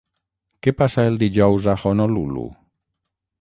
Què passa els dijous a Honolulu?